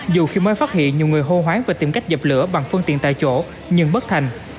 dù khi mới phát hiện nhiều người hô hoáng và tìm cách dập lửa bằng phương tiện tại chỗ nhưng bất thành